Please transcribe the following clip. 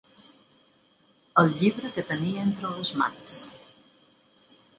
El llibre que tenia entre les mans.